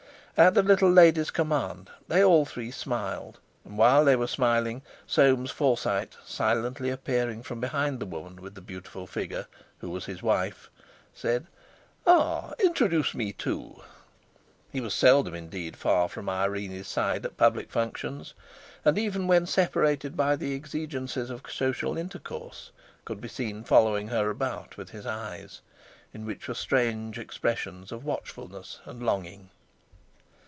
At the little lady's command they all three smiled; and while they were smiling, Soames Forsyte, silently appearing from behind the woman with the beautiful figure, who was his wife, said: "Ah! introduce me too!" He was seldom, indeed, far from Irene's side at public functions, and even when separated by the exigencies of social intercourse, could be seen following her about with his eyes, in which were strange expressions of watchfulness and longing.